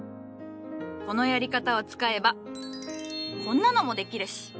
このやり方を使えばこんなのもできるし。